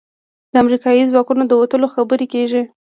د امریکايي ځواکونو د وتلو خبرې کېږي.